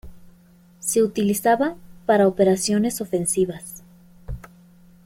Se utilizaba para operaciones ofensivas.